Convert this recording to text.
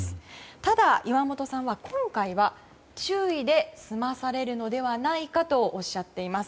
ただ、岩本さんは今回は注意で済まされるのではないかとおっしゃっています。